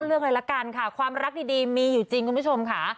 เลือกเลยละกันค่ะความรักดีมีอยู่จริงคุณผู้ชมค่ะ